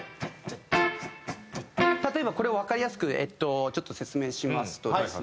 例えばこれをわかりやすくちょっと説明しますとですね。